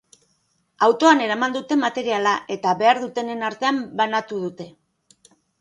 Autoan eraman dute materiala, eta behar dutenen artean banatu dute.